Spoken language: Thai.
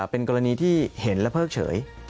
เป็นกรณีที่เห็นและเพิกเฉย